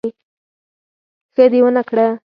ښه دي ونکړه